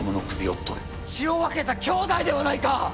血を分けた兄弟ではないか！